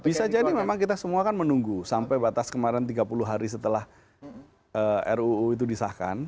bisa jadi memang kita semua kan menunggu sampai batas kemarin tiga puluh hari setelah ruu itu disahkan